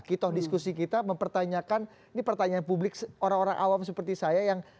kitoh diskusi kita mempertanyakan ini pertanyaan publik orang orang awam seperti saya yang